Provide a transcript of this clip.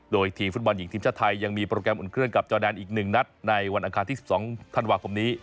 โดยทีมฟุตบอลหญิงทีมชาติไทยยังมีโปรแกรมอุ่นเครื่องกับจอแดนอีก๑นัดในวันอังคารที่๑๒ธันวาคมนี้